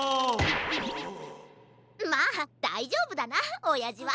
まあだいじょうぶだなおやじは。